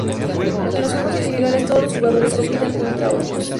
En los juegos individuales todos los jugadores compiten contra todos.